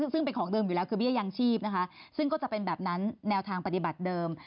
ซึ่งเป็นของเดิมอยู่แล้วคือเบี้ยยังชีพนะคะซึ่งก็จะเป็นแบบนั้นแนวทางปฏิบัติเดิม